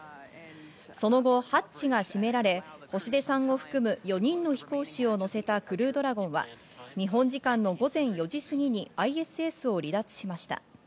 その後ハッチが閉められ星出さんを含む４人の飛行士を乗せたクルードラゴンは、日本時間の午前４時過ぎにＩＳＳを離脱しました。